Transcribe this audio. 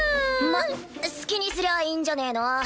まっ好きにすりゃいいんじゃねぇの？